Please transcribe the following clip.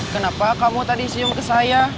kenapa kamu tadi cium ke saya